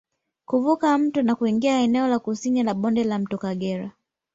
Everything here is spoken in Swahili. Kuvuka mto na kuingia eneo la kusini la bonde la mto Kagera